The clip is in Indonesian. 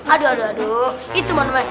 aduh aduh aduh itu mana main